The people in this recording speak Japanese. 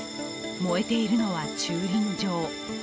燃えているのは駐輪場。